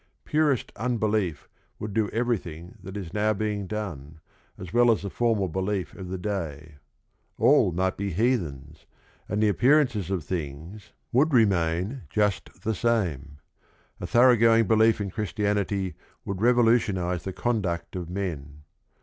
Purest unbelief would do everything that is now being done, as well as the formal belief of the day. All might be heathens, and the appearances of things would remain just LESSONS OF RING AND BOOK 219 — 1 the same. A thorough going belief in Chris tianity would revolutionize the conduct of men.